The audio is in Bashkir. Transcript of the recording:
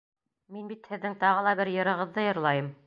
Мин бит һеҙҙең тағы ла бер йырығыҙҙы йырлайым.